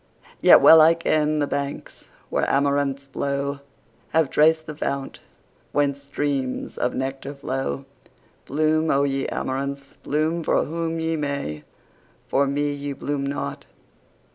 Yet well I ken the banks where amaranths blow, Have traced the fount whence streams of nectar flow. Bloom, O ye amaranths! bloom for whom ye may, For me ye bloom not!